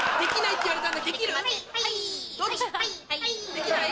できない？